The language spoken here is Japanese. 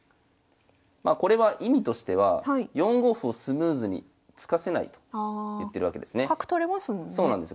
これは意味としては４五歩をスムーズに突かせないと言ってるわけですね。